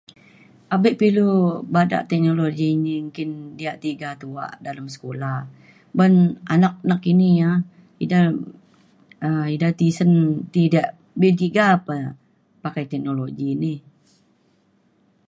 Abe pa ilu bada teknologi ini nggin diak tiga tuak dalem sekula. Ban anak nakini ia’ ida hm ida tisen ti dak be’un tiga pe pakai teknologi ni.